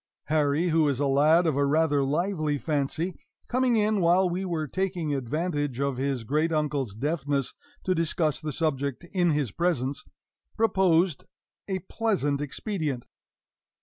Harry, who is a lad of a rather lively fancy, coming in while we were taking advantage of his great uncle's deafness to discuss the subject in his presence, proposed a pleasant expedient.